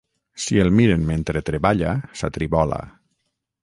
Si el miren mentre treballa, s'atribola.